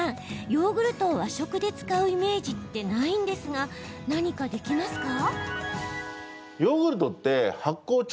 ヨーグルトを和食で使うイメージってないんですが何かできますか？